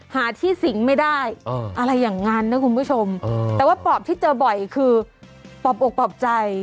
หาที่สิงไม่ได้อะไรอย่างนั้นนะคุณผู้ชมแต่ว่าปอบที่เจอบ่อยคือปอบอกปลอบใจ